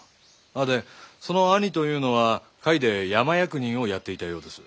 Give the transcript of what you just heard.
でその兄というのは甲斐で山役人をやっていたようです。